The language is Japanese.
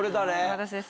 私です。